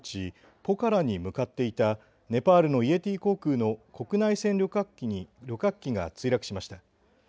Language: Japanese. ポカラに向かっていたネパールのイエティ航空の国際線旅客機が墜落しました。